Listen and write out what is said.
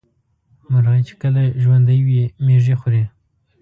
مرغۍ چې کله ژوندۍ وي مېږي خوري.